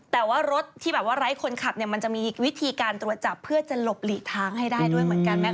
แล้วก็ดิ่งขึ้นลงแบบอะไร